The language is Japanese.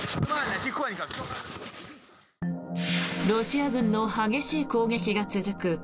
ロシア軍の激しい攻撃が続く